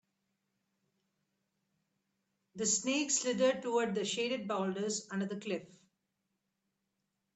The snake slithered toward the shaded boulders under the cliff.